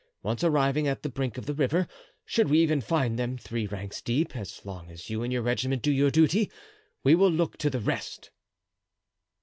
Once arrived at the brink of the river, should we even find them three ranks deep, as long as you and your regiment do your duty, we will look to the rest."